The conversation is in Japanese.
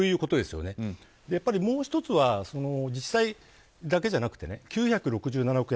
もう１つは自治体だけじゃなくて９６７億円